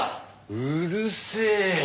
うるせえよ